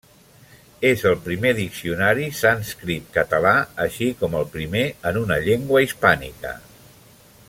És el primer diccionari sànscrit-català, així com el primer en una llengua hispànica.